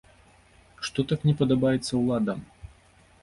Што так не падабаецца ўладам?